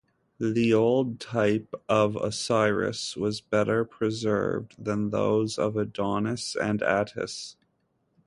The old type of Osiris was better preserved than those of Adonis and Attis.